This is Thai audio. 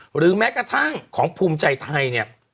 หรือแม้กระทั่งของภูมิใจไทยเนี่ย